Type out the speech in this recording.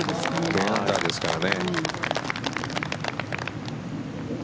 １０アンダーですからね。